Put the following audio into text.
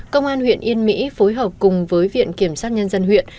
công an huyện yên mỹ phối hợp cùng với viện kiểm sát nhân dân huyện